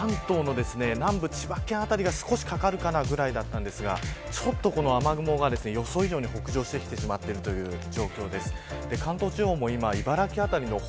ぎりぎり関東の南部千葉県辺りが少し掛かるかなぐらいだったんですがちょっと雨雲が予想以上に北上してきてしまっているという今日の状況です。